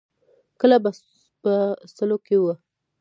کله به په سلو کې وه.